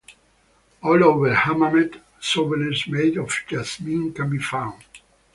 All over Hammamet, souvenirs made of jasmine can be found.